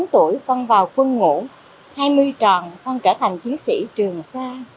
một mươi tám tuổi con vào quân ngủ hai mươi tròn con trở thành chiến sĩ trường xa